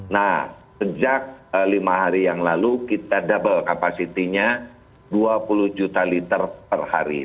nah sejak lima hari yang lalu kita double kapasitinya dua puluh juta liter per hari